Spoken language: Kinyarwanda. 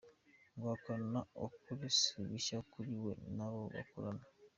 Guhakana ukuri si bishya kuri we n’abo bakorana.